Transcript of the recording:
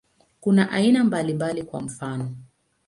Kuna aina mbalimbali, kwa mfano.